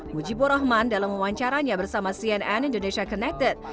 mujibur rahman dalam wawancaranya bersama cnn indonesia connected